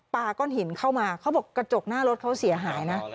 ก้อนหินเข้ามาเขาบอกกระจกหน้ารถเขาเสียหายนะ